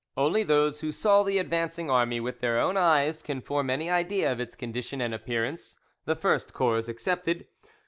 Only those who saw the advancing army with their own eyes can form any idea of its condition and appearance, the first corps excepted.